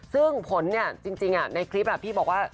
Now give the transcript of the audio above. ซึ่งผลเนี่ยจริงในคลิปพี่บอกว่า